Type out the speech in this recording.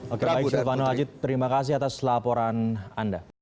oke baik silvano haji terima kasih atas laporan anda